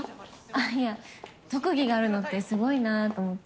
あっいや特技があるのってすごいなと思って。